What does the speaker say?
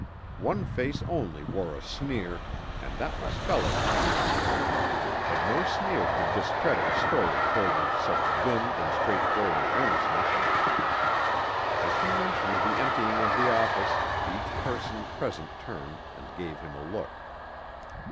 One face only wore a sneer, and that was Fellows's. But no sneer could discredit a story told with such vim and straightforward earnestness. As she mentioned the emptying of the office, each person present turned and gave him a look.